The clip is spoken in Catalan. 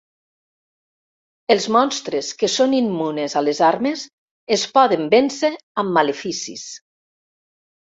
Els monstres que són immunes a les armes es poden vèncer amb maleficis.